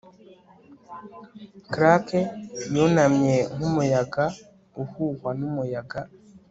claque yunamye nkumuyaga uhuhwa numuyaga